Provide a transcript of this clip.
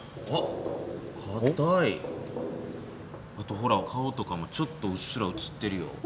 あとほら顔とかもちょっとうっすらうつってるよ。